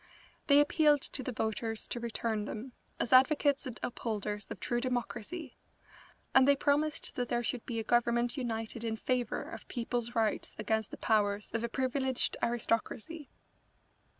They appealed to the voters to return them, as advocates and upholders of true democracy, and they promised that there should be a Government united in favour of people's rights against the powers of a privileged aristocracy.